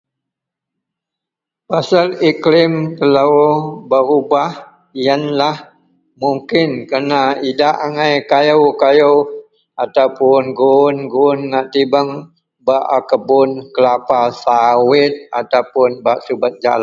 Pasal iklim telo berubah yianlah mungkin kerana idak angai kayu-kayu ataupun gu'un-gu'un ngak timbang. Bak a pekebun kelapa sawit jegam jalan.